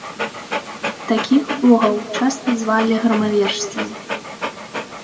Такіх богаў часта звалі грамавержцамі.